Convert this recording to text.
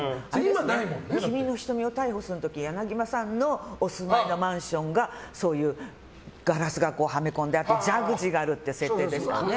「君の瞳をタイホする！」の時柳葉さんのお住まいのマンションがそういう、ガラスがはめ込んであってジャグジーがあるっていう設定でしたよね。